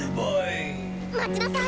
待ちなさい！